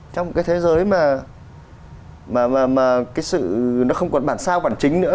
trong cái thế giới mà nó không còn bản sao bản chính nữa